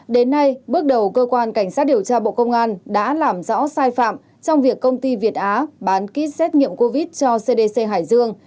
đến nay bước đầu cơ quan cảnh sát điều tra bộ công an đã làm rõ sai phạm trong việc công ty việt á bán kit xét nghiệm covid cho cdc hải dương